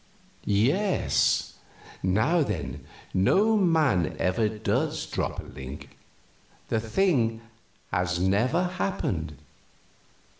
"Yes. Now, then, no man ever does drop a link the thing has never happened!